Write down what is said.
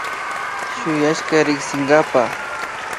Shuyashka riksinkapa